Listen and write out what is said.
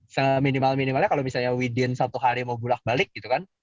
seminimal minimalnya kalau misalnya within satu hari mau bulat balik gitu kan